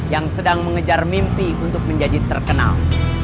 yang sedang mengejar mimpi untuk menjadi terkenal